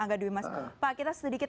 angga dwi mas pak kita sedikit